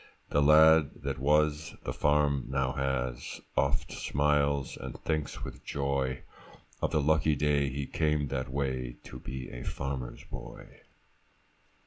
The lad that was, the farm now has, Oft smiles, and thinks with joy Of the lucky day he came that way, To be a farmer's boy.